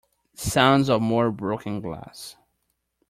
Sounds of more broken glass.